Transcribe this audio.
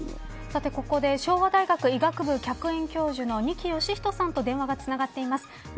ここで昭和大学医学部客員教授の二木芳人さんと電話がつながっています。